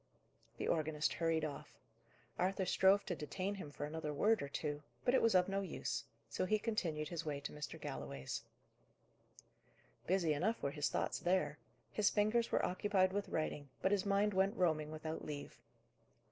The organist hurried off. Arthur strove to detain him for another word or two, but it was of no use. So he continued his way to Mr. Galloway's. Busy enough were his thoughts there. His fingers were occupied with writing, but his mind went roaming without leave.